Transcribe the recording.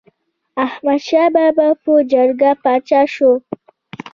احمد شاه بابا په جرګه پاچا شو.